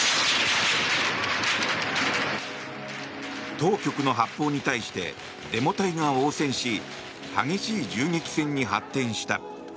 当局の発砲に対してデモ隊が応戦し激しい銃撃戦に発展した。